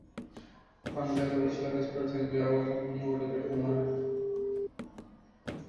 ফর্মে থাকা Luis Suarez করেছেন জোড়া গোল, অন্য গোলটি করেছেন মার্ক বার্ত্রা।